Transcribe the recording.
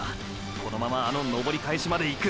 このままあの登り返しまでいく！